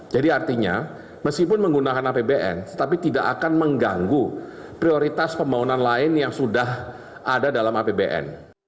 jadi artinya meskipun menggunakan apbn tetapi tidak akan mengganggu prioritas pembangunan lain yang sudah ada dalam apbn